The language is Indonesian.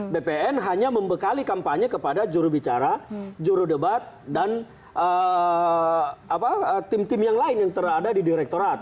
bpn hanya membekali kampanye kepada jurubicara jurudebat dan tim tim yang lain yang ada di direktorat